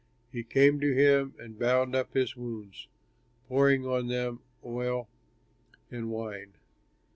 He came to him and bound up his wounds, pouring on them oil and wine.